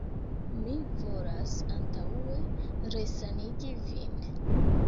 Mi volas antaŭe resanigi vin.